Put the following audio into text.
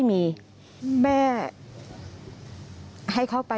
อยู่ดีมาตายแบบเปลือยคาห้องน้ำได้ยังไง